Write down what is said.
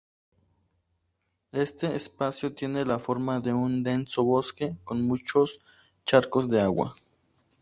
Este espacio tiene la forma de un denso bosque con muchos charcos de agua.